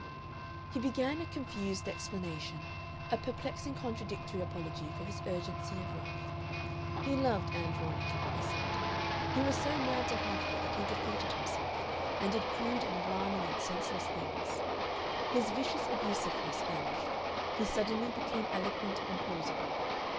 He began a confused explanation, a perplexing contradictory apology for his urgency and wrath. He loved Ann Veronica, he said; he was so mad to have her that he defeated himself, and did crude and alarming and senseless things. His vicious abusiveness vanished. He suddenly became eloquent and plausible.